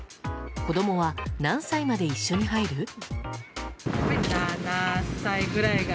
子供は何歳まで一緒に入る？